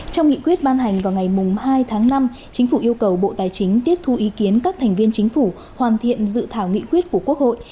trong nghị quyết ban hành vào ngày hai tháng năm chính phủ yêu cầu bộ tài chính tiếp thu ý kiến các thành viên chính phủ hoàn thiện dự thảo nghị quyết của quốc hội